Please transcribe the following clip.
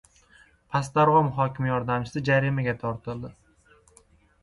Past Darg‘om hokimi yordamchisi jarimaga tortildi